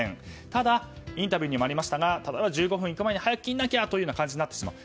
ただ、インタビューにもありましたが１５分いく前に早く切らなきゃとなってしまう。